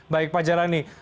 baik pak jelani